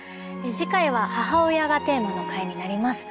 次回は「母親」がテーマの回になります。